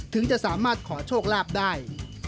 ถึงจะสามารถขอโชคลาภได้